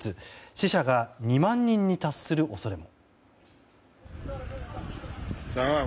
死者が２万人に達する恐れも。